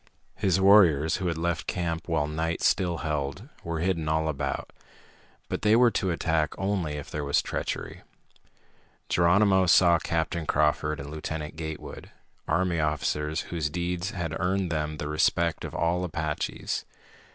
His warriors, who had left camp while night still held, were hidden all about. But they were to attack only if there was treachery. Geronimo saw Captain Crawford and Lieutenant Gatewood, army officers whose deeds had earned them the respect of all Apaches.